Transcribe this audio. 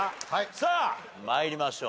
さあ参りましょう。